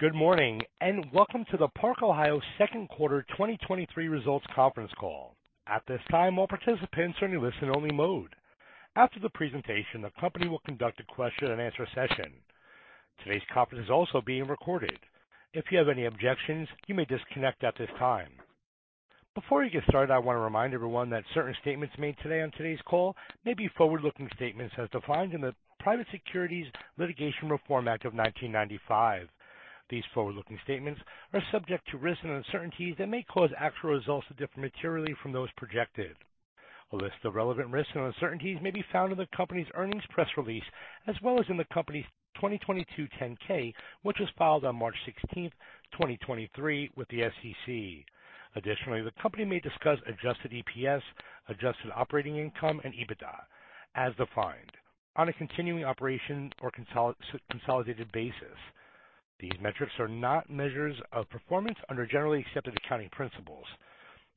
Good morning, and welcome to the Park-Ohio second quarter 2023 results conference call. At this time, all participants are in a listen-only mode. After the presentation, the company will conduct a question-and-answer session. Today's conference is also being recorded. If you have any objections, you may disconnect at this time. Before we get started, I want to remind everyone that certain statements made today on today's call may be forward-looking statements as defined in the Private Securities Litigation Reform Act of 1995. These forward-looking statements are subject to risks and uncertainties that may cause actual results to differ materially from those projected. A list of relevant risks and uncertainties may be found in the company's earnings press release, as well as in the company's 2022 10-K, which was filed on March 16, 2023 with the SEC. Additionally, the company may discuss adjusted EPS, adjusted operating income and EBITDA as defined on a continuing operation or consolidated basis. These metrics are not measures of performance under generally accepted accounting principles.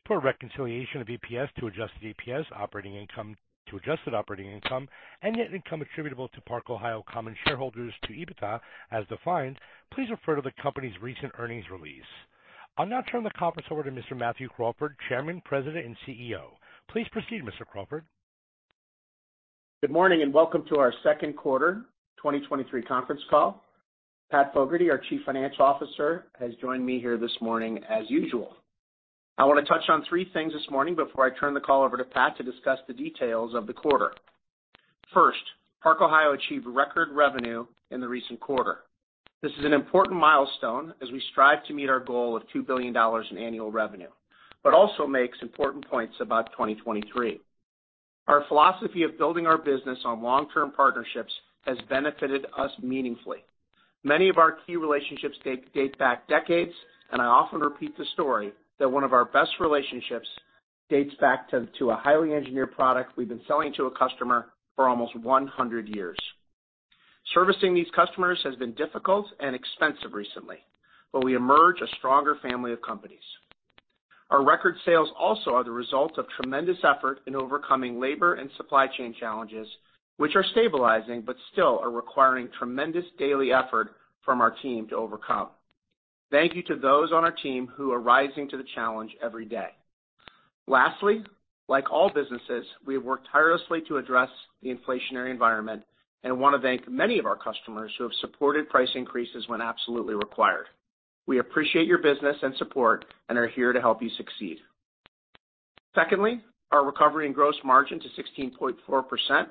For a reconciliation of EPS to adjusted EPS, operating income to adjusted operating income, and net income attributable to Park-Ohio common shareholders to EBITDA as defined, please refer to the company's recent earnings release. I'll now turn the conference over to Mr. Matthew Crawford, Chairman, President, and CEO. Please proceed, Mr. Crawford. Good morning, welcome to our second quarter 2023 conference call. Pat Fogarty, our Chief Financial Officer, has joined me here this morning as usual. I want to touch on three things this morning before I turn the call over to Pat to discuss the details of the quarter. First, Park-Ohio achieved record revenue in the recent quarter. This is an important milestone as we strive to meet our goal of $2 billion in annual revenue, also makes important points about 2023. Our philosophy of building our business on long-term partnerships has benefited us meaningfully. Many of our key relationships date back decades, I often repeat the story that one of our best relationships dates back to a highly engineered product we've been selling to a customer for almost 100 years. Servicing these customers has been difficult and expensive recently, but we emerge a stronger family of companies. Our record sales also are the result of tremendous effort in overcoming labor and supply chain challenges, which are stabilizing, but still are requiring tremendous daily effort from our team to overcome. Thank you to those on our team who are rising to the challenge every day. Lastly, like all businesses, we have worked tirelessly to address the inflationary environment and want to thank many of our customers who have supported price increases when absolutely required. We appreciate your business and support and are here to help you succeed. Secondly, our recovery in gross margin to 16.4%,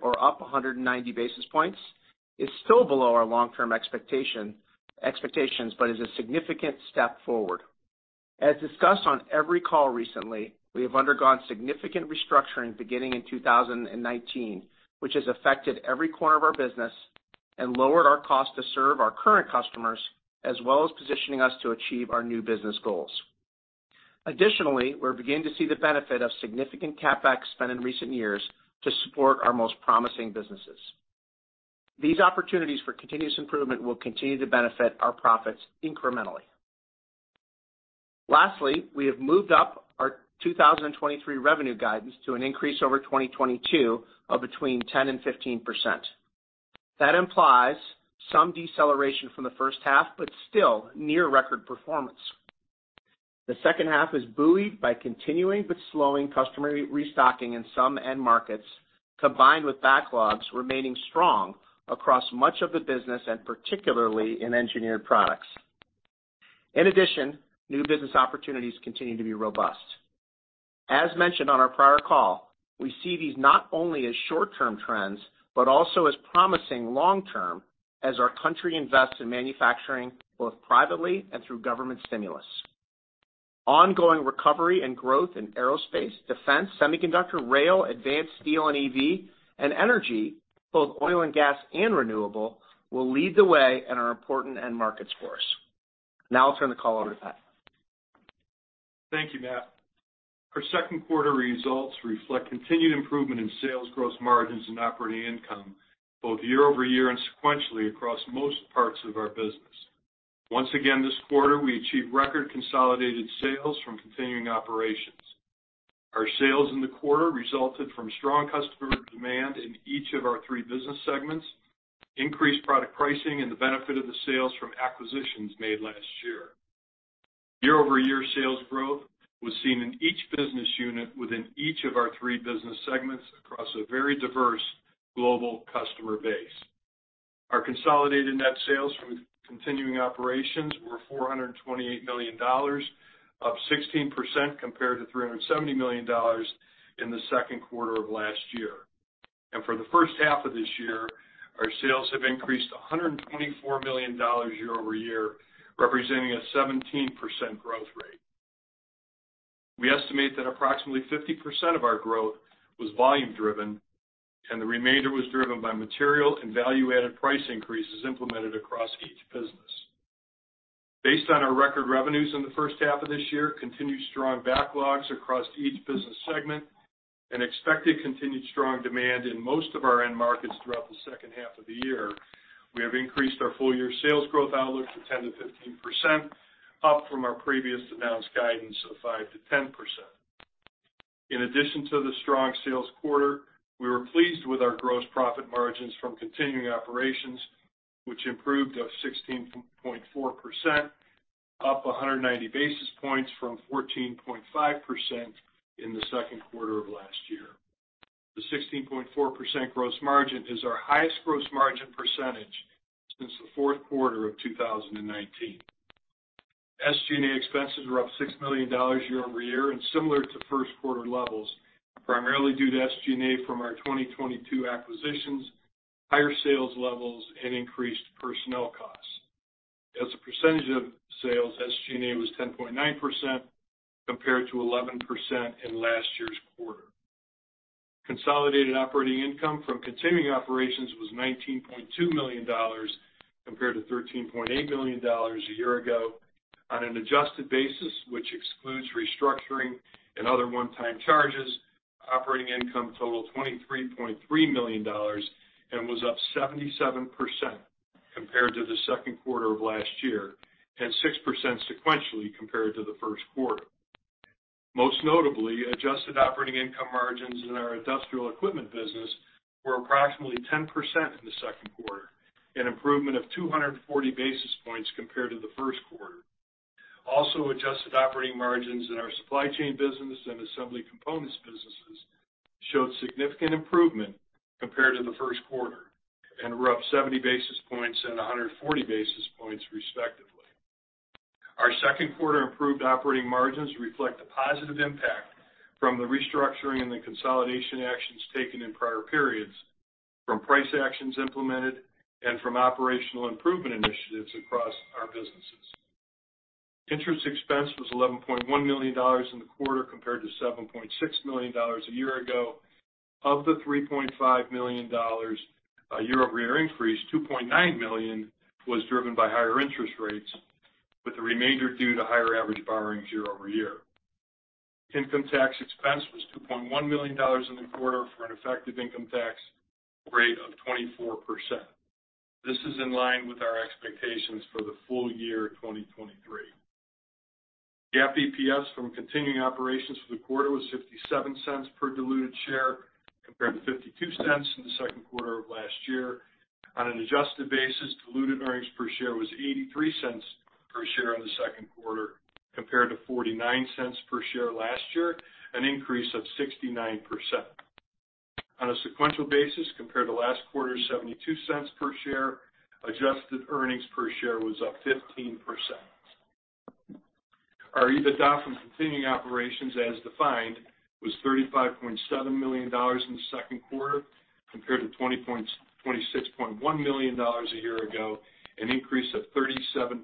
or up 190 basis points, is still below our long-term expectations, but is a significant step forward. As discussed on every call recently, we have undergone significant restructuring beginning in 2019, which has affected every corner of our business and lowered our cost to serve our current customers, as well as positioning us to achieve our new business goals. Additionally, we're beginning to see the benefit of significant CapEx spent in recent years to support our most promising businesses. These opportunities for continuous improvement will continue to benefit our profits incrementally. Lastly, we have moved up our 2023 revenue guidance to an increase over 2022 of between 10% and 15%. That implies some deceleration from the first half, but still near record performance. The second half is buoyed by continuing but slowing customer restocking in some end markets, combined with backlogs remaining strong across much of the business and particularly in Engineered Products. New business opportunities continue to be robust. As mentioned on our prior call, we see these not only as short-term trends, but also as promising long term as our country invests in manufacturing, both privately and through government stimulus. Ongoing recovery and growth in aerospace, defense, semiconductor, rail, advanced steel and EV, and energy, both oil and gas and renewable, will lead the way and are important end markets for us. Now I'll turn the call over to Pat. Thank you, Matt. Our second quarter results reflect continued improvement in sales, gross margins, and operating income, both year-over-year and sequentially across most parts of our business. Once again, this quarter, we achieved record consolidated sales from continuing operations. Our sales in the quarter resulted from strong customer demand in each of our three business segments, increased product pricing, and the benefit of the sales from acquisitions made last year. Year-over-year sales growth was seen in each business unit within each of our three business segments across a very diverse global customer base. Our consolidated net sales from continuing operations were $428 million, up 16% compared to $370 million in the second quarter of last year. For the first half of this year, our sales have increased $124 million year-over-year, representing a 17% growth rate. We estimate that approximately 50% of our growth was volume driven, and the remainder was driven by material and value-added price increases implemented across each business. Based on our record revenues in the first half of this year, continued strong backlogs across each business segment, and expected continued strong demand in most of our end markets throughout the second half of the year, we have increased our full-year sales growth outlook to 10%-15%, up from our previous announced guidance of 5%-10%. In addition to the strong sales quarter, we were pleased with our gross profit margins from continuing operations, which improved of 16.4%, up 190 basis points from 14.5% in the second quarter of last year. The 16.4% gross margin is our highest gross margin percentage since the fourth quarter of 2019. SG&A expenses were up $6 million year-over-year and similar to first quarter levels, primarily due to SG&A from our 2022 acquisitions, higher sales levels, and increased personnel costs. As a percentage of sales, SG&A was 10.9% compared to 11% in last year's quarter. Consolidated operating income from continuing operations was $19.2 million, compared to $13.8 million a year ago. On an adjusted basis, which excludes restructuring and other one-time charges, operating income totaled $23.3 million and was up 77% compared to the second quarter of last year, and 6% sequentially compared to the first quarter. Most notably, adjusted operating income margins in our industrial equipment business were approximately 10% in the second quarter, an improvement of 240 basis points compared to the first quarter. Also, adjusted operating margins in our supply chain business and assembly components businesses showed significant improvement compared to the first quarter, and were up 70 basis points and 140 basis points, respectively. Our second quarter improved operating margins reflect the positive impact from the restructuring and the consolidation actions taken in prior periods, from price actions implemented, and from operational improvement initiatives across our businesses. Interest expense was $11.1 million in the quarter, compared to $7.6 million a year ago. Of the $3.5 million year-over-year increase, $2.9 million was driven by higher interest rates, with the remainder due to higher average borrowings year-over-year. Income tax expense was $2.1 million in the quarter, for an effective income tax rate of 24%. This is in line with our expectations for the full year 2023. The EPS from continuing operations for the quarter was $0.57 per diluted share, compared to $0.52 in the second quarter of last year. On an adjusted basis, diluted earnings per share was $0.83 per share in the second quarter, compared to $0.49 per share last year, an increase of 69%. On a sequential basis compared to last quarter, $0.72 per share, adjusted earnings per share was up 15%. Our EBITDA from continuing operations, as defined, was $35.7 million in the second quarter, compared to $26.1 million a year ago, an increase of 37%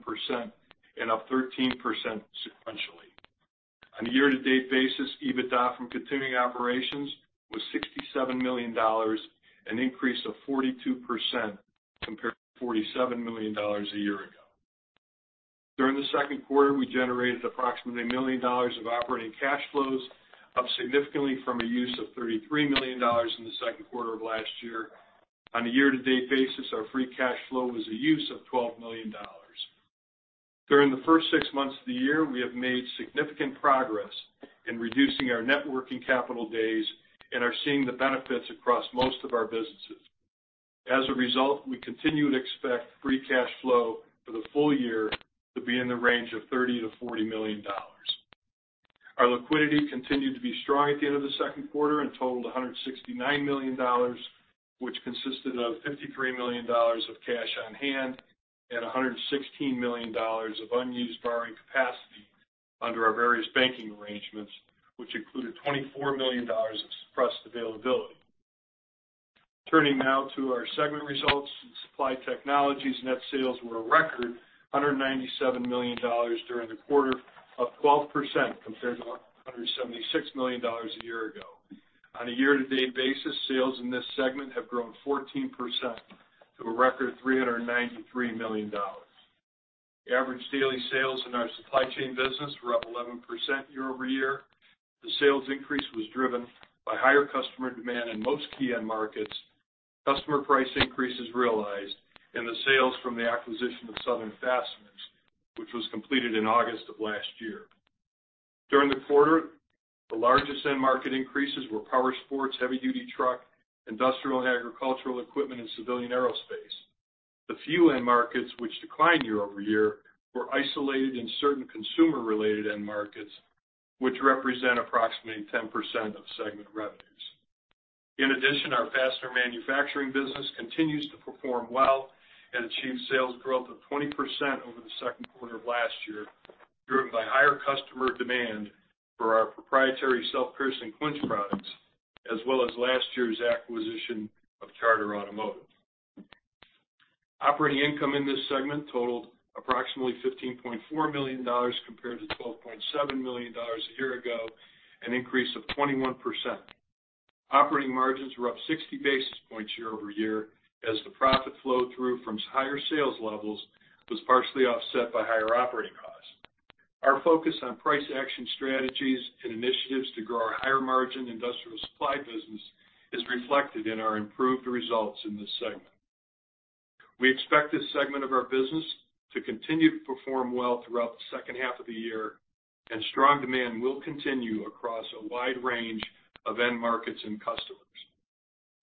and up 13% sequentially. On a year-to-date basis, EBITDA from continuing operations was $67 million, an increase of 42% compared to $47 million a year ago. During the second quarter, we generated approximately $1 million of operating cash flows, up significantly from a use of $33 million in the second quarter of last year. On a year-to-date basis, our free cash flow was a use of $12 million. During the first six months of the year, we have made significant progress in reducing our net working capital days and are seeing the benefits across most of our businesses. As a result, we continue to expect free cash flow for the full year to be in the range of $30 million-$40 million. Our liquidity continued to be strong at the end of the second quarter and totaled $169 million, which consisted of $53 million of cash on hand and $116 million of unused borrowing capacity under our various banking arrangements, which included $24 million of suppressed availability. Turning now to our segment results. Supply Technologies net sales were a record, $197 million during the quarter, up 12% compared to $176 million a year ago. On a year-to-date basis, sales in this segment have grown 14% to a record $393 million. The average daily sales in our supply chain business were up 11% year-over-year. The sales increase was driven by higher customer demand in most key end markets, customer price increases realized, and the sales from the acquisition of Southern Fasteners, which was completed in August of last year. During the quarter, the largest end market increases were powersports, heavy-duty truck, industrial and agricultural equipment, and civilian aerospace. The few end markets which declined year-over-year were isolated in certain consumer-related end markets, which represent approximately 10% of segment revenues. In addition, our fastener manufacturing business continues to perform well and achieved sales growth of 20% over the second quarter of last year, driven by higher customer demand for our proprietary self-piercing clinch products, as well as last year's acquisition of Charter Automotive. Operating income in this segment totaled approximately $15.4 million compared to $12.7 million a year ago, an increase of 21%. Operating margins were up 60 basis points year-over-year, as the profit flow through from higher sales levels was partially offset by higher operating costs. Our focus on price action strategies and initiatives to grow our higher-margin industrial supply business is reflected in our improved results in this segment.... We expect this segment of our business to continue to perform well throughout the second half of the year, and strong demand will continue across a wide range of end markets and customers.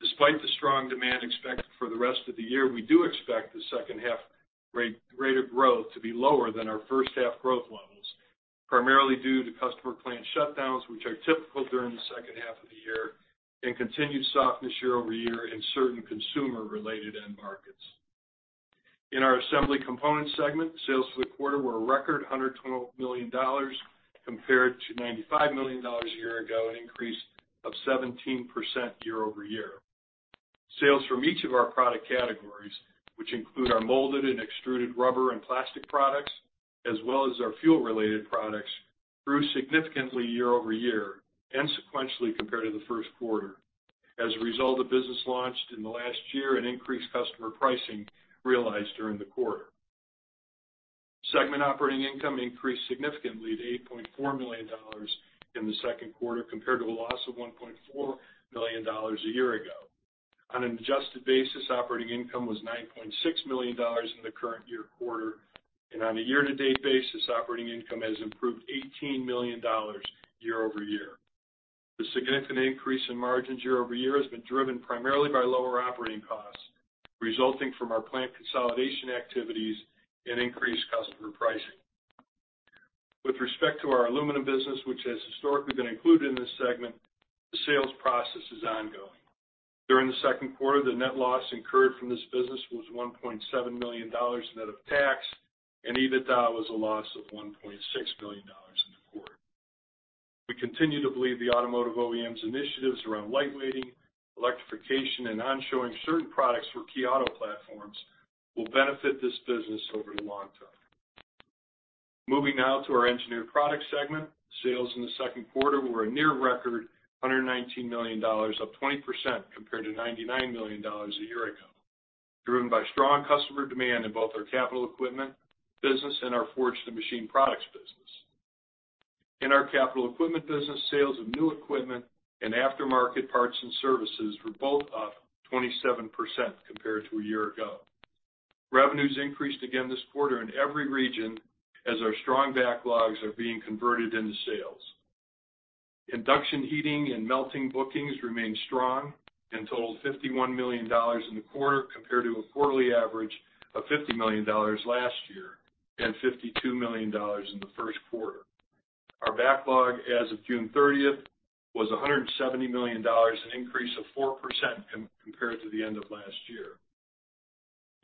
Despite the strong demand expected for the rest of the year, we do expect the second half rate of growth to be lower than our first half growth levels, primarily due to customer plant shutdowns, which are typical during the second half of the year, and continued softness year-over-year in certain consumer-related end markets. In our Assembly Components segment, sales for the quarter were a record $112 million, compared to $95 million a year ago, an increase of 17% year-over-year. Sales from each of our product categories, which include our molded and extruded rubber and plastic products, as well as our fuel-related products, grew significantly year-over-year and sequentially compared to the first quarter. As a result of business launched in the last year and increased customer pricing realized during the quarter. Segment operating income increased significantly to $8.4 million in the second quarter, compared to a loss of $1.4 million a year ago. On an adjusted basis, operating income was $9.6 million in the current year quarter, and on a year-to-date basis, operating income has improved $18 million year-over-year. The significant increase in margins year-over-year has been driven primarily by lower operating costs, resulting from our plant consolidation activities and increased customer pricing. With respect to our Aluminum business, which has historically been included in this segment, the sales process is ongoing. During the second quarter, the net loss incurred from this business was $1.7 million net of tax, and EBITDA was a loss of $1.6 million in the quarter. We continue to believe the automotive OEMs initiatives around lightweighting, electrification, and onshoring certain products for key auto platforms will benefit this business over the long term. Moving now to our Engineered Products segment. Sales in the second quarter were a near record, $119 million, up 20% compared to $99 million a year ago, driven by strong customer demand in both our capital equipment business and our forged and machined products business. In our capital equipment business, sales of new equipment and aftermarket parts and services were both up 27% compared to a year ago. Revenues increased again this quarter in every region as our strong backlogs are being converted into sales. Induction heating and melting bookings remained strong and totaled $51 million in the quarter, compared to a quarterly average of $50 million last year, and $52 million in the first quarter. Our backlog as of June 30th, was $170 million, an increase of 4% compared to the end of last year.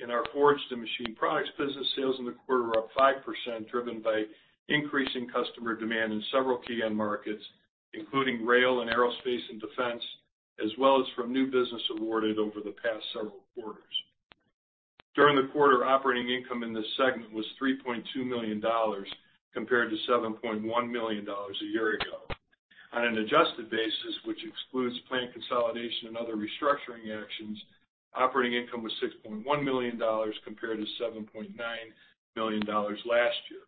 In our forged and machined products business, sales in the quarter were up 5%, driven by increasing customer demand in several key end markets, including rail and aerospace and defense, as well as from new business awarded over the past several quarters. During the quarter, operating income in this segment was $3.2 million, compared to $7.1 million a year ago. On an adjusted basis, which excludes plant consolidation and other restructuring actions, operating income was $6.1 million, compared to $7.9 million last year.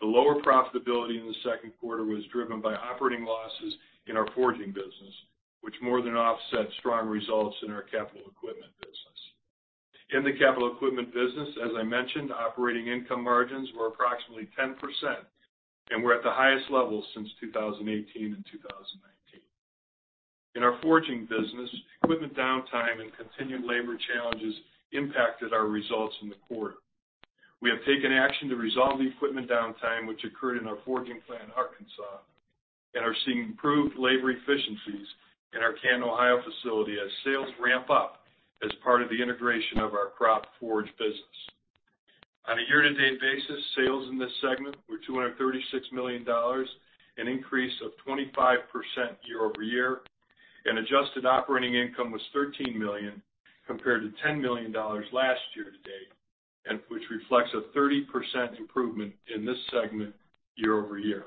The lower profitability in the second quarter was driven by operating losses in our Forging business, which more than offset strong results in our capital equipment business. In the capital equipment business, as I mentioned, operating income margins were approximately 10% and were at the highest level since 2018 and 2019. In our Forging business, equipment downtime and continued labor challenges impacted our results in the quarter. We have taken action to resolve the equipment downtime, which occurred in our forging plant in Arkansas, and are seeing improved labor efficiencies in our Canton, Ohio, facility as sales ramp up as part of the integration of our Drop Forge business. On a year-to-date basis, sales in this segment were $236 million, an increase of 25% year-over-year, and adjusted operating income was $13 million, compared to $10 million last year-to-date, and which reflects a 30% improvement in this segment year-over-year.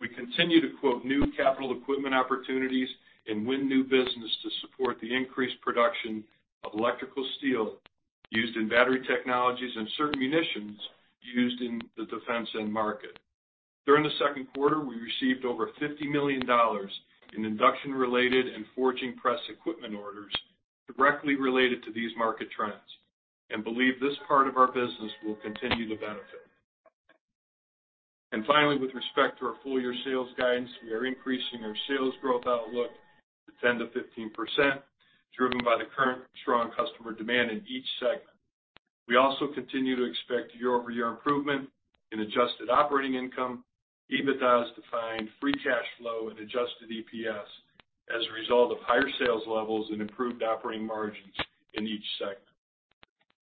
We continue to quote new capital equipment opportunities and win new business to support the increased production of electrical steel used in battery technologies and certain munitions used in the defense end market. During the second quarter, we received over $50 million in induction-related and forging press equipment orders directly related to these market trends and believe this part of our business will continue to benefit. Finally, with respect to our full-year sales guidance, we are increasing our sales growth outlook to 10%-15%, driven by the current strong customer demand in each segment. We also continue to expect year-over-year improvement in adjusted operating income, EBITDA as defined, free cash flow and adjusted EPS as a result of higher sales levels and improved operating margins in each segment.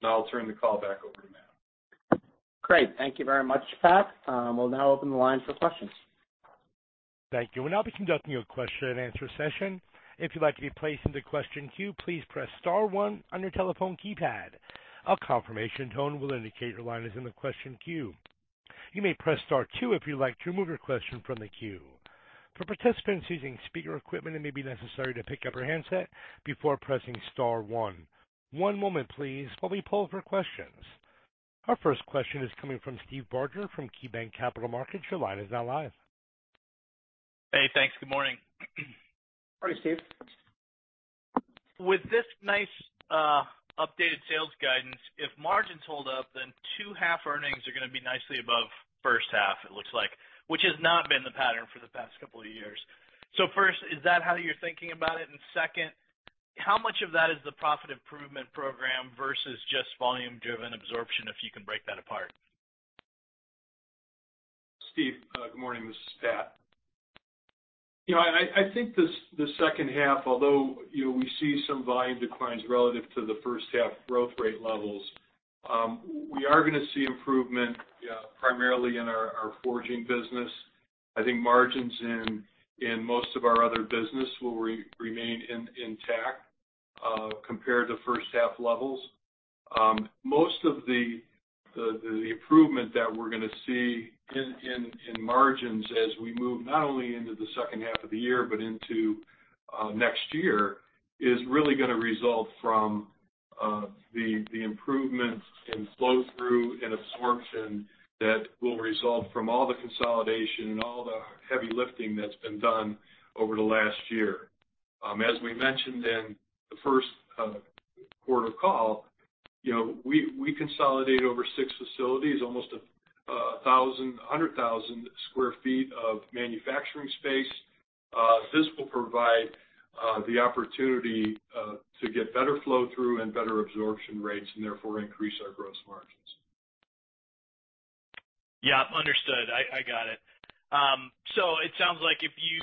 Now I'll turn the call back over to Matt. Great. Thank you very much, Pat. We'll now open the line for questions. Thank you. We'll now be conducting a question-and-answer session. If you'd like to be placed in the question queue, please press star one on your telephone keypad. A confirmation tone will indicate your line is in the question queue. You may press star two if you'd like to remove your question from the queue. For participants using speaker equipment, it may be necessary to pick up your handset before pressing Star one. One moment please, while we pull for questions. Our first question is coming from Steve Barger from KeyBanc Capital Markets. Your line is now live. Hey, thanks. Good morning. Morning, Steve. With this nice, updated sales guidance, if margins hold up, then two half earnings are going to be nicely above first half, it looks like, which has not been the pattern for the past couple of years. First, is that how you're thinking about it? Second, how much of that is the profit improvement program versus just volume-driven absorption, if you can break that apart? Steve, good morning. This is Pat. You know, I, I think the, the second half, although, you know, we see some volume declines relative to the first half growth rate levels, we are going to see improvement primarily in our, our Forging business. I think margins in, in most of our other business will re-remain in, intact compared to first half levels. Most of the, the, the improvement that we're going to see in, in, in margins as we move not only into the second half of the year but into next year, is really going to result from the, the improvements in flow-through and absorption that will result from all the consolidation and all the heavy lifting that's been done over the last year. As we mentioned in the first quarter call, you know, we, we consolidated over six facilities, almost 100,000 sq ft of manufacturing space. This will provide the opportunity to get better flow-through and better absorption rates, and therefore increase our gross margins. Yeah, understood. I, I got it. It sounds like if you,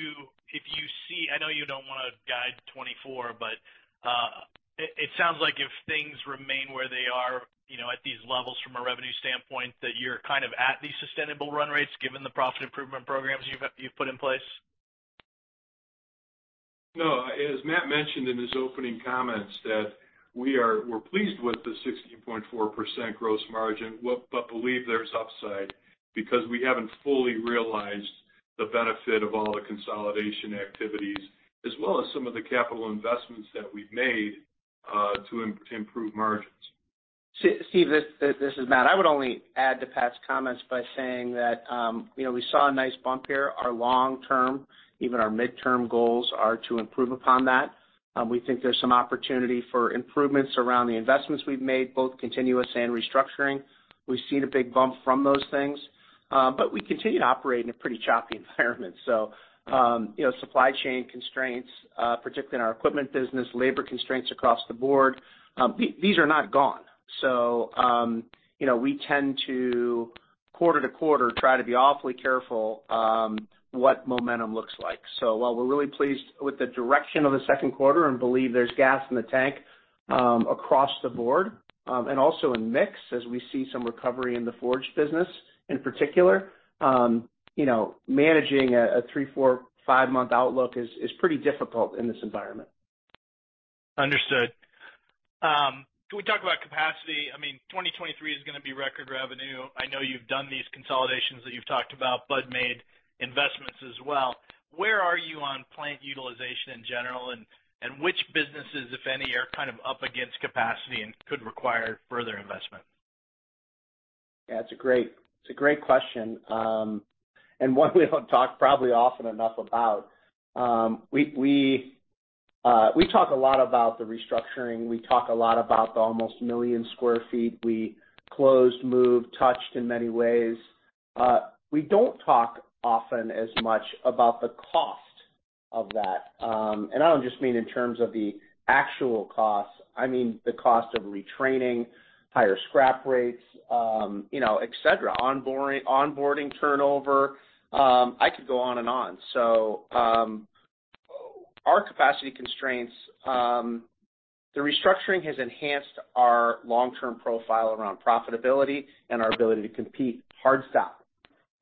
if you see... I know you don't want to guide 2024, but it, it sounds like if things remain where they are, you know, at these levels from a revenue standpoint, that you're kind of at these sustainable run rates, given the profit improvement programs you've, you've put in place. No, as Matt mentioned in his opening comments, that we're pleased with the 16.4% gross margin, but, but believe there's upside because we haven't fully realized the benefit of all the consolidation activities, as well as some of the capital investments that we've made to improve margins. Steve, this, this is Matt. I would only add to Pat's comments by saying that, you know, we saw a nice bump here. Our long term, even our midterm goals, are to improve upon that. We think there's some opportunity for improvements around the investments we've made, both continuous and restructuring. We've seen a big bump from those things, but we continue to operate in a pretty choppy environment. You know, supply chain constraints, particularly in our equipment business, labor constraints across the board, these are not gone. You know, we tend to, quarter to quarter, try to be awfully careful, what momentum looks like. While we're really pleased with the direction of the second quarter and believe there's gas in the tank, across the board, and also in mix, as we see some recovery in the Forge business in particular, you know, managing a three, four, five-month outlook is pretty difficult in this environment. Understood. Can we talk about capacity? I mean, 2023 is going to be record revenue. I know you've done these consolidations that you've talked about, but made investments as well. Where are you on plant utilization in general, and which businesses, if any, are kind of up against capacity and could require further investment? Yeah, it's a great, it's a great question, and one we don't talk probably often enough about. We, we, we talk a lot about the restructuring. We talk a lot about the almost 1 million sq ft we closed, moved, touched in many ways. We don't talk often as much about the cost of that. I don't just mean in terms of the actual costs. I mean, the cost of retraining, higher scrap rates, you know, et cetera, onboard- onboarding turnover. I could go on and on. Our capacity constraints, the restructuring has enhanced our long-term profile around profitability and our ability to compete, hard stop.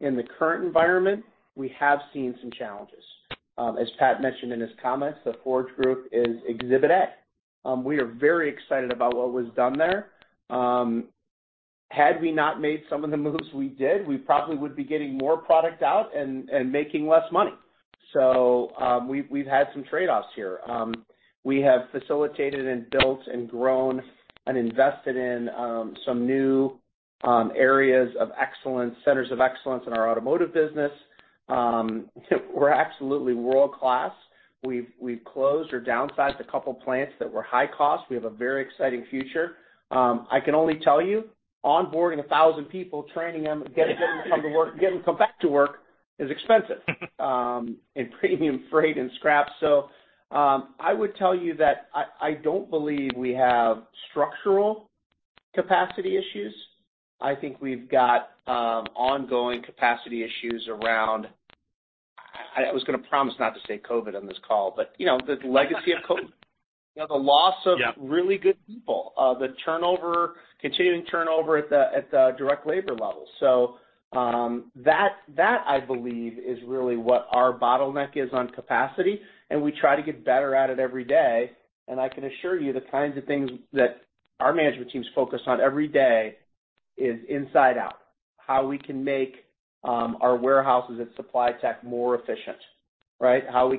In the current environment, we have seen some challenges. As Pat mentioned in his comments, the Forge group is Exhibit A. We are very excited about what was done there. Had we not made some of the moves we did, we probably would be getting more product out and making less money. We've, we've had some trade-offs here. We have facilitated and built and grown and invested in some new areas of excellence, centers of excellence in our automotive business. We're absolutely world-class. We've, we've closed or downsized a couple plants that were high cost. We have a very exciting future. I can only tell you, onboarding 1,000 people, training them, getting them to come to work, getting them to come back to work is expensive. Premium freight and scrap. I would tell you that I, I don't believe we have structural capacity issues. I think we've got, ongoing capacity issues around... I was going to promise not to say COVID on this call, but you know, the legacy of COVID. You know, the loss of- Yeah... really good people. The turnover, continuing turnover at the, at the direct labor level. That, that, I believe, is really what our bottleneck is on capacity, and we try to get better at it every day. I can assure you, the kinds of things that our management team is focused on every day is inside out. How we can make our warehouses and Supply Technologies more efficient, right? How we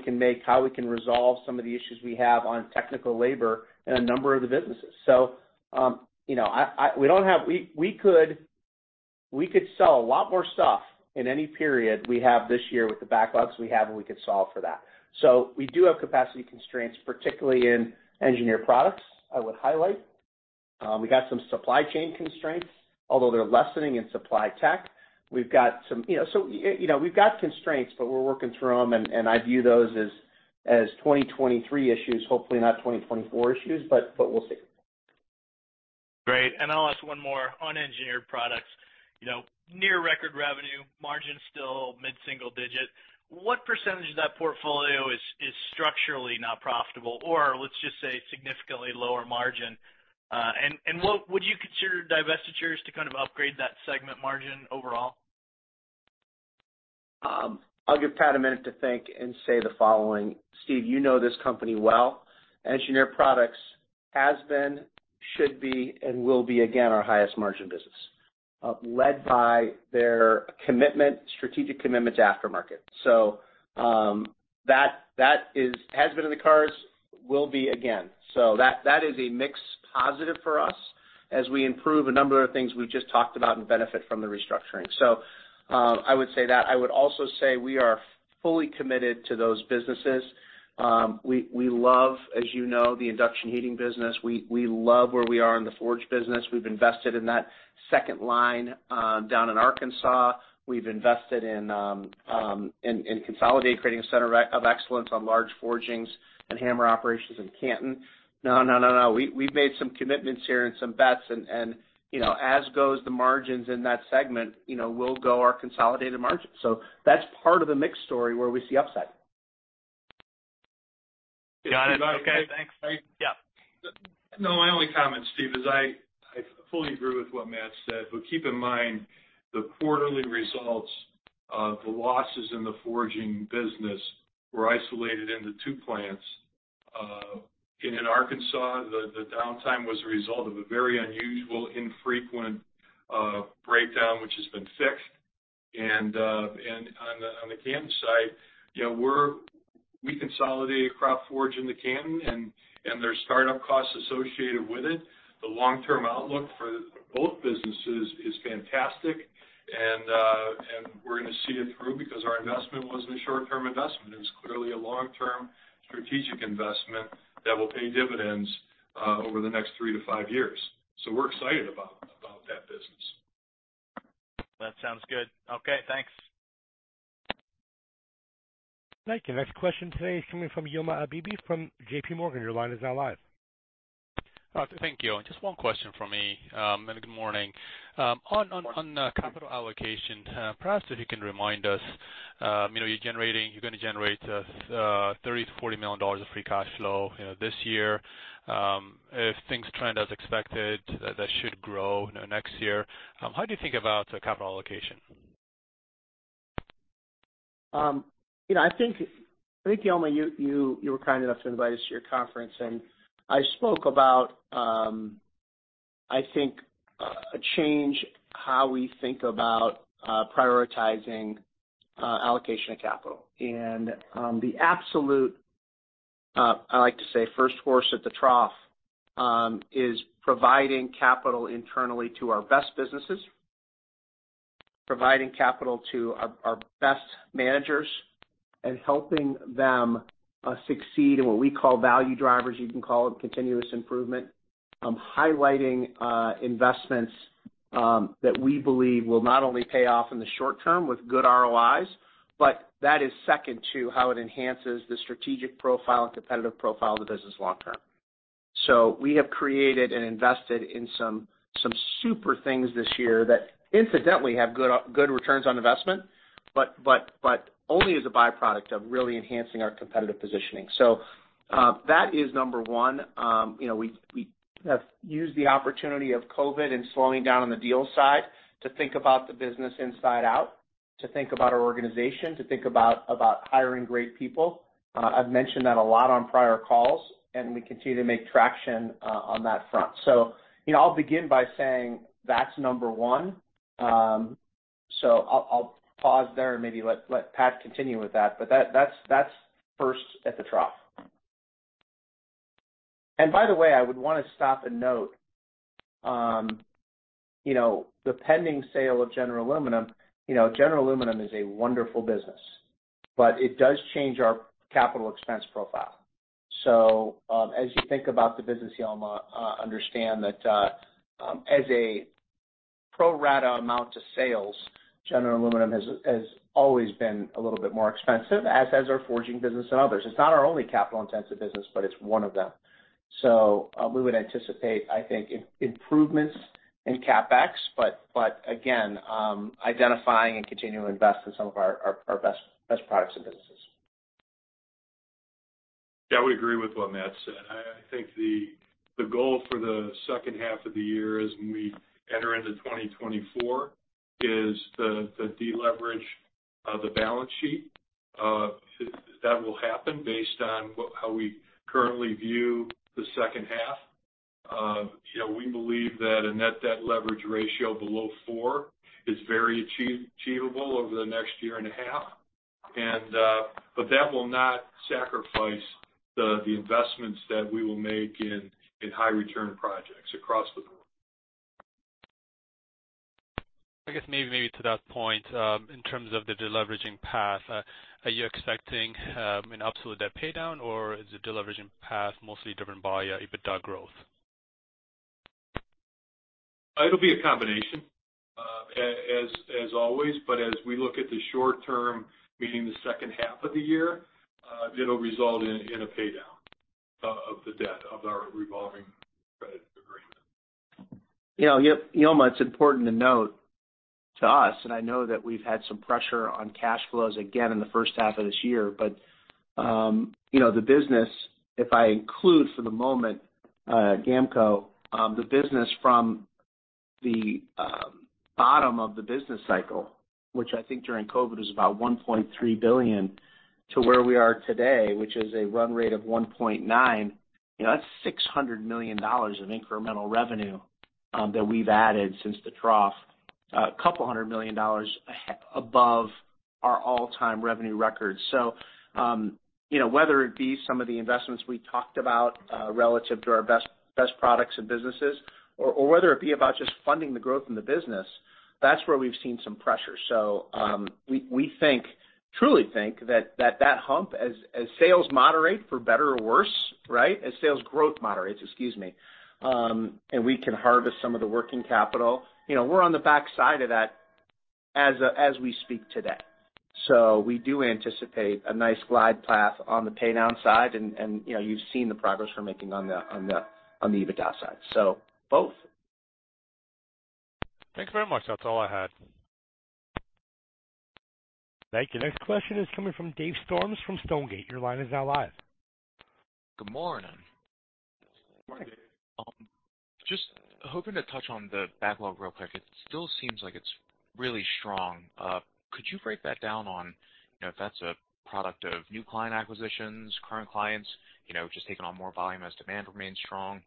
can resolve some of the issues we have on technical labor in a number of the businesses. You know, we could sell a lot more stuff in any period we have this year with the backlogs we have, and we could solve for that. We do have capacity constraints, particularly in Engineered Products, I would highlight. We got some supply chain constraints, although they're lessening in Supply Technologies. you know, so, you know, we've got constraints, but we're working through them, and, and I view those as, as 2023 issues, hopefully not 2024 issues, but, but we'll see. Great. I'll ask one more on Engineered Products. You know, near record revenue, margin still mid-single digit. What % of that portfolio is, is structurally not profitable? Or let's just say, significantly lower margin. What would you consider divestitures to kind of upgrade that segment margin overall? I'll give Pat a minute to think and say the following: Steve, you know this company well. Engineered Products has been, should be, and will be again, our highest margin business, led by their commitment, strategic commitment to aftermarket. That, that is has been in the cards, will be again. That, that is a mixed positive for us as we improve a number of things we've just talked about and benefit from the restructuring. I would say that. I would also say we are fully committed to those businesses. We, we love, as you know, the induction heating business. We, we love where we are in the forge business. We've invested in that second line, down in Arkansas. We've invested in, in consolidating, creating a center of excellence on large forgings and hammer operations in Canton. No, no, no, no, we, we've made some commitments here and some bets and, and, you know, as goes the margins in that segment, you know, will go our consolidated margins. That's part of the mix story where we see upside. Got it. Okay, thanks. Yeah. No, my only comment, Steve, is I, I fully agree with what Matt said. Keep in mind, the quarterly results of the losses in the Forging business were isolated into two plants. In Arkansas, the downtime was a result of a very unusual, infrequent breakdown, which has been fixed. On the Canton side, you know, we consolidated Drop Forge in the Canton and there are startup costs associated with it. The long-term outlook for both businesses is fantastic, and we're going to see it through because our investment wasn't a short-term investment. It was clearly a long-term strategic investment that will pay dividends over the next 3-5 years. We're excited about that business. That sounds good. Okay, thanks. Thank you. Next question today is coming from Yilma Abebe, from J.P. Morgan. Your line is now live. Thank you. Just one question from me. Good morning. On, on, on, capital allocation, perhaps if you can remind us, you know, you're generating you're going to generate, $30 million-$40 million of free cash flow, you know, this year. If things trend as expected, that should grow, you know, next year. How do you think about capital allocation? You know, I think, I think, Yilma, you, you, you were kind enough to invite us to your conference, and I spoke about, I think, a change how we think about, prioritizing, allocation of capital. The absolute, I like to say, first horse at the trough, is providing capital internally to our best businesses, providing capital to our, our best managers, and helping them succeed in what we call value drivers. You can call it continuous improvement. Highlighting investments that we believe will not only pay off in the short term with good ROIs, but that is second to how it enhances the strategic profile and competitive profile of the business long term. We have created and invested in some, some super things this year that incidentally have good, good returns on investment, but, but, but only as a byproduct of really enhancing our competitive positioning. That is number one. You know, we, we have used the opportunity of COVID and slowing down on the deal side to think about the business inside out, to think about our organization, to think about, about hiring great people. I've mentioned that a lot on prior calls, and we continue to make traction on that front. You know, I'll begin by saying that's number one. I'll, I'll pause there and maybe let, let Pat continue with that, but that, that's, that's first at the trough. By the way, I would want to stop and note, you know, the pending sale of General Aluminum, you know, General Aluminum is a wonderful business, but it does change our capital expense profile. As you think about the business, Yilma, understand that as a pro rata amount to sales, General Aluminum has, has always been a little bit more expensive, as, as our Forging business and others. It's not our only capital-intensive business, but it's one of them. We would anticipate, I think, im- improvements in CapEx, but, but again, identifying and continuing to invest in some of our, our, our best, best products and businesses. Yeah, I would agree with what Matt said. I think the goal for the second half of the year as we enter into 2024, is the deleverage of the balance sheet. That will happen based on how we currently view the second half. You know, we believe that a net debt leverage ratio below four is very achievable over the next year and a half. But that will not sacrifice the investments that we will make in high return projects across the board. I guess maybe, maybe to that point, in terms of the deleveraging path, are you expecting, an absolute debt pay down, or is the deleveraging path mostly driven by EBITDA growth? It'll be a combination, as always, but as we look at the short term, meaning the second half of the year, it'll result in a pay down of the debt of our revolving credit agreement. You know, Yilma, it's important to note to us. I know that we've had some pressure on cash flows again in the first half of this year. You know, the business, if I include for the moment, Gamco, the business from the bottom of the business cycle, which I think during COVID was about $1.3 billion, to where we are today, which is a run rate of $1.9 billion, you know, that's $600 million of incremental revenue that we've added since the trough. A couple $100 million above our all-time revenue records. You know, whether it be some of the investments we talked about relative to our best products and businesses, or whether it be about just funding the growth in the business, that's where we've seen some pressure. We think, truly think that hump as sales moderate for better or worse, right? As sales growth moderates, excuse me, and we can harvest some of the working capital. You know, we're on the backside of that as we speak today. We do anticipate a nice glide path on the paydown side. You know, you've seen the progress we're making on the EBITDA side. Both. Thanks very much. That's all I had. Thank you. Next question is coming from Dave Storms, from Stonegate. Your line is now live. Good morning. Good morning. Just hoping to touch on the backlog real quick. It still seems like it's really strong. Could you break that down on, you know, if that's a product of new client acquisitions, current clients, you know, just taking on more volume as demand remains strong?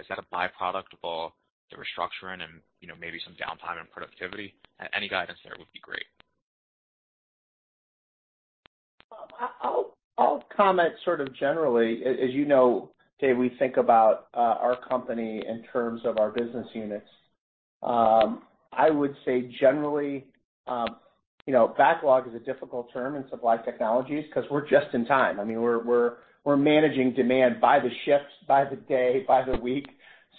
Is that a byproduct of all the restructuring and, you know, maybe some downtime and productivity? Any guidance there would be great. I'll, I'll comment sort of generally. As, as you know, Dave, we think about our company in terms of our business units. I would say generally, you know, backlog is a difficult term in Supply Technologies because we're just in time. I mean, we're, we're, we're managing demand by the shifts, by the day, by the week.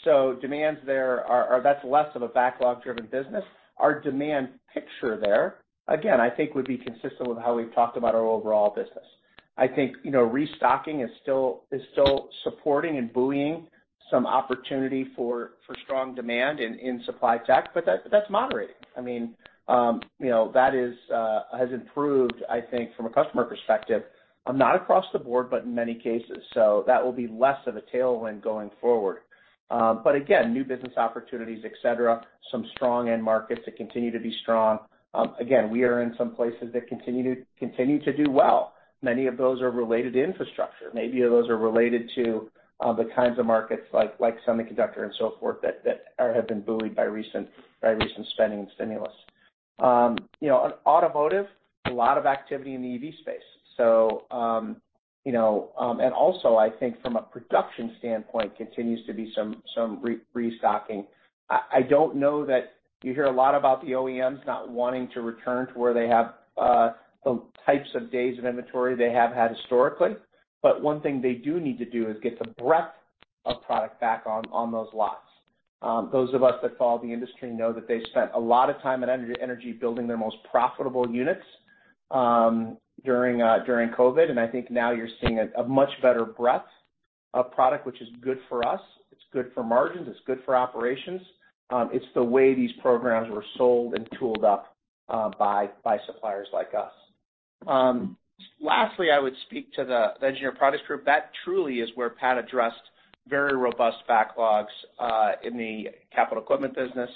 So demands there are... That's less of a backlog-driven business. Our demand picture there, again, I think, would be consistent with how we've talked about our overall business. I think, you know, restocking is still, is still supporting and buoying some opportunity for, for strong demand in, in Supply Technologies, but that, but that's moderating. I mean, you know, that is, has improved, I think, from a customer perspective, not across the board, but in many cases. That will be less of a tailwind going forward. But again, new business opportunities, et cetera, some strong end markets that continue to be strong. Again, we are in some places that continue to do well. Many of those are related to infrastructure. Many of those are related to the kinds of markets like semiconductor and so forth, that have been buoyed by recent spending and stimulus. You know, automotive, a lot of activity in the EV space. You know, and also I think from a production standpoint, continues to be some restocking. I, I don't know that you hear a lot about the OEMs not wanting to return to where they have the types of days of inventory they have had historically, but one thing they do need to do is get some breadth of product back on, on those lots. Those of us that follow the industry know that they spent a lot of time and energy, energy building their most profitable units during COVID. And I think now you're seeing a, a much better breadth of product, which is good for us, it's good for margins, it's good for operations. It's the way these programs were sold and tooled up by, by suppliers like us. Lastly, I would speak to the Engineered Products group. That truly is where Pat addressed very robust backlogs in the capital equipment business.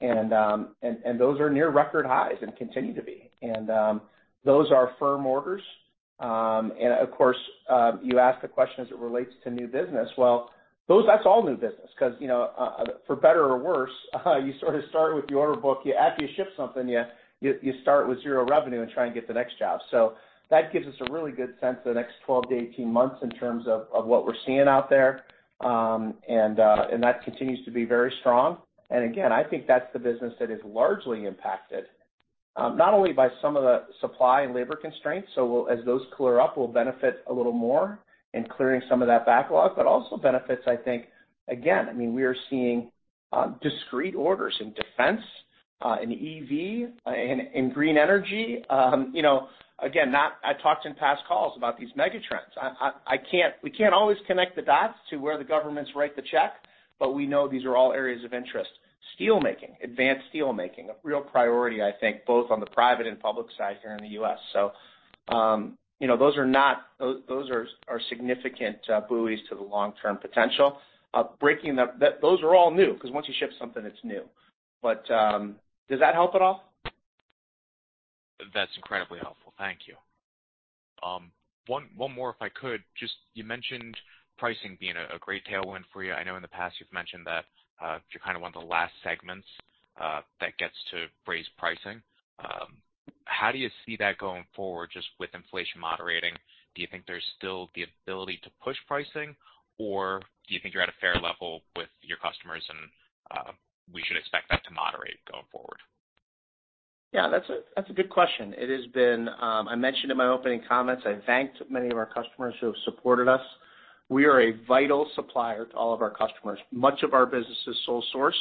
Those are near record highs and continue to be. Those are firm orders. Of course, you asked the question as it relates to new business. Well, that's all new business because, you know, for better or worse, you sort of start with the order book. After you ship something, you, you, you start with zero revenue and try and get the next job. That gives us a really good sense of the next 12 to 18 months in terms of what we're seeing out there. That continues to be very strong. Again, I think that's the business that is largely impacted, not only by some of the supply and labor constraints, so we'll -- as those clear up, we'll benefit a little more in clearing some of that backlog, but also benefits, I think... Again, I mean, we are seeing, discrete orders in defense, in EV, in, in green energy. You know, again, I talked in past calls about these megatrends. We can't always connect the dots to where the governments write the check, but we know these are all areas of interest. Steelmaking, advanced steelmaking, a real priority, I think, both on the private and public side here in the U.S. You know, those are, are significant buoys to the long-term potential. breaking those are all new, because once you ship something, it's new. Does that help at all? That's incredibly helpful. Thank you. One, one more, if I could. Just, you mentioned pricing being a, a great tailwind for you. I know in the past you've mentioned that, you're kind of one of the last segments, that gets to raise pricing. How do you see that going forward, just with inflation moderating? Do you think there's still the ability to push pricing, or do you think you're at a fair level with your customers and, we should expect that to moderate going forward? Yeah, that's a, that's a good question. It has been. I mentioned in my opening comments, I thanked many of our customers who have supported us. We are a vital supplier to all of our customers. Much of our business is sole source.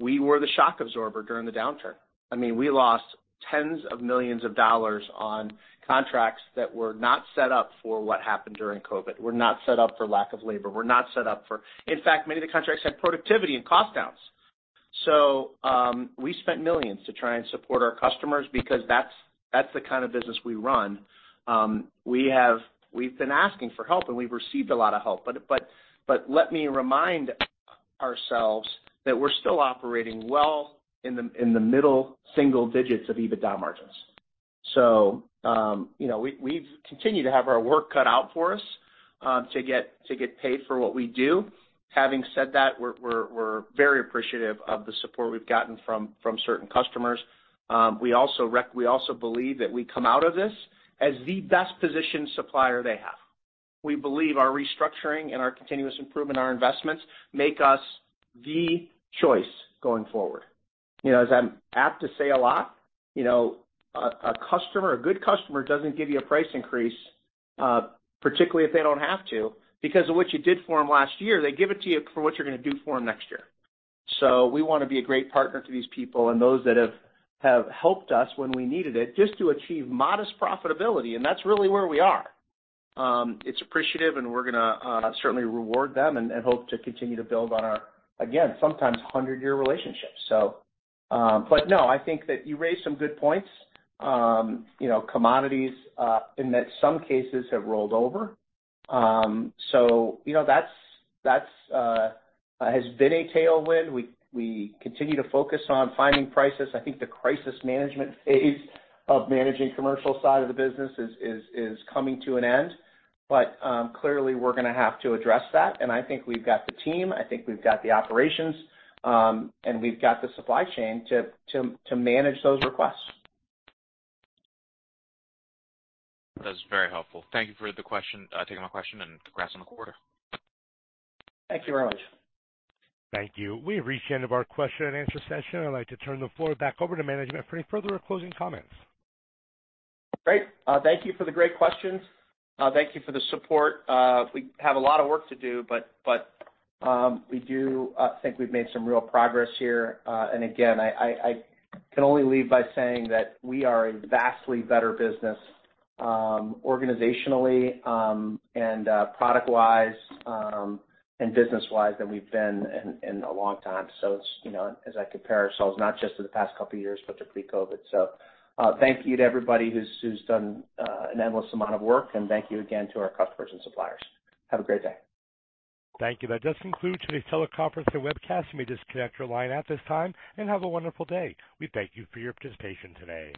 We were the shock absorber during the downturn. I mean, we lost tens of millions of dollars on contracts that were not set up for what happened during COVID, were not set up for lack of labor, were not set up for... In fact, many of the contracts had productivity and cost downs. We spent millions of dollars to try and support our customers because that's, that's the kind of business we run. We've been asking for help, and we've received a lot of help. Let me remind ourselves that we're still operating well in the, in the middle single digits of EBITDA margins. You know, we, we've continued to have our work cut out for us to get, to get paid for what we do. Having said that, we're, we're, we're very appreciative of the support we've gotten from, from certain customers. We also believe that we come out of this as the best positioned supplier they have. We believe our restructuring and our continuous improvement, our investments, make us the choice going forward. You know, as I'm apt to say a lot, you know, a, a customer, a good customer, doesn't give you a price increase particularly if they don't have to, because of what you did for them last year. They give it to you for what you're gonna do for them next year. We wanna be a great partner to these people and those that have, have helped us when we needed it, just to achieve modest profitability, and that's really where we are. It's appreciative, and we're gonna certainly reward them and hope to continue to build on our, again, sometimes 100-year relationships. No, I think that you raised some good points. You know, commodities, in some cases have rolled over. You know, that's, that's has been a tailwind. We, we continue to focus on finding prices. I think the crisis management phase of managing commercial side of the business is, is, is coming to an end. Clearly, we're gonna have to address that, and I think we've got the team, I think we've got the operations, and we've got the supply chain to, to, to manage those requests. That's very helpful. Thank you for the question, taking my question and congrats on the quarter. Thank you very much. Thank you. We've reached the end of our question and answer session. I'd like to turn the floor back over to management for any further or closing comments. Great. Thank you for the great questions. Thank you for the support. We have a lot of work to do, but, but, we do think we've made some real progress here. Again, I, I, I can only leave by saying that we are a vastly better business, organizationally, and product-wise, and business-wise than we've been in, in a long time. It's, you know, as I compare ourselves, not just to the past couple of years, but to pre-COVID. Thank you to everybody who's, who's done an endless amount of work, and thank you again to our customers and suppliers. Have a great day. Thank you. That does conclude today's teleconference and webcast. You may disconnect your line at this time and have a wonderful day. We thank you for your participation today.